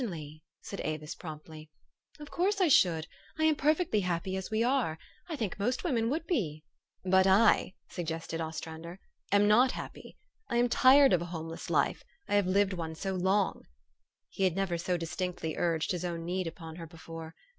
" Certainly," said Avis promptly. " Of course I should. I am perfectly happy as we are. I think most women would be." "But I," suggested Ostrander, " am not happy. I am tired of a homeless life ; I have lived one so long!" He had never so distinctly urged his own need upon her before.